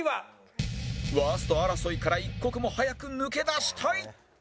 ワースト争いから一刻も早く抜け出したい！